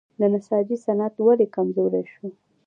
د نساجي صنعت ولې کمزوری شو؟